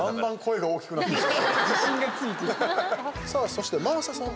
そして真麻さん。